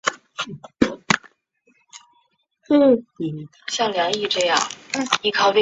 片中的龙福集团便是六福集团。